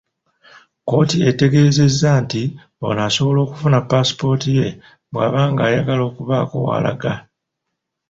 Kkooti etegeezezza nti ono asobola okufuna paasipooti ye bw'aba ng'ayagala okubaako w'alaga.